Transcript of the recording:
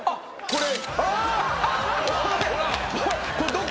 これ。